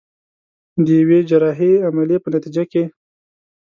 د يوې جراحي عمليې په نتيجه کې.